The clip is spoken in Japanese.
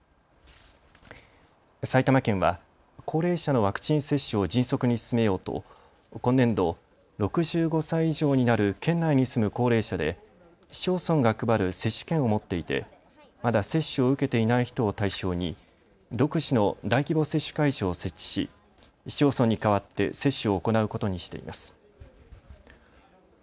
埼玉県は高齢者のワクチン接種を迅速に進めようと今年度、６５歳以上になる県内に住む高齢者で市町村が配る接種券を持っていてまだ接種を受けていない人を対象に独自の大規模接種会場を設置し市町村に代わって接種を行うことにしています。